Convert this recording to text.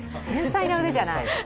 繊細な腕じゃない。